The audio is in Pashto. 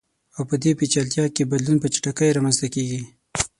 او په دې پېچلتیا کې بدلون په چټکۍ رامنځته کیږي.